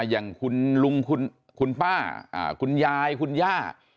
อย่างคุณลุงคุณป้าคุณยายคุณย่า